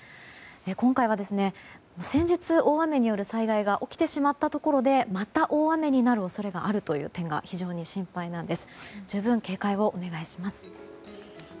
今回は先日、大雨による災害が起きてしまったところでまた大雨になる恐れがあるという点が非常に心配なんです。